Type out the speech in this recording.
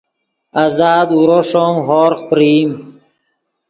آزاد اورو ݰوم ہوروغ پرئیم